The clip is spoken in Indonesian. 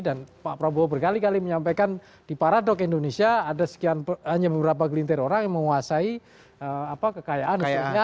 dan pak prabowo berkali kali menyampaikan di paradok indonesia ada sekian hanya beberapa gelintir orang yang menguasai kekayaan